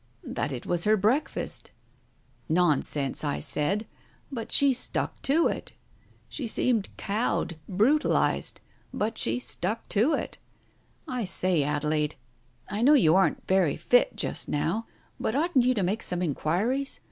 "That it was her breakfast. Nonsense, I said. But she stuck to it. She seemed cowed, brutalized, but she stuck to it. I say, Adelaide — I know you aren't very fit jtfst now, but oughtn't you to make some inquiries?